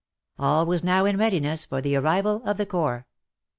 All was now in readiness for the arrival of the Corps.